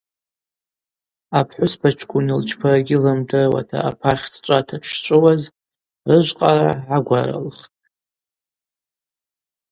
Апхӏвыспачкӏвын йылчпарагьи лымдыруата апахь дчӏвата дшчӏвыуаз рыжв къара гӏагваралхтӏ.